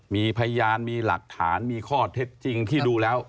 มีพยานมีหลักฐานมีข้อเท็จจริงที่ดูแล้ว